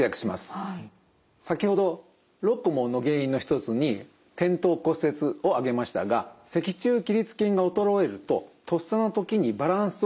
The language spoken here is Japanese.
先ほどロコモの原因の一つに転倒骨折を挙げましたが脊柱起立筋が衰えるととっさの時にバランスをとりにくくなってしまいます。